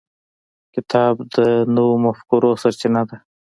کتاب د نوو مفکورو سرچینه ده.